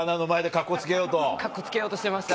カッコつけようとしてました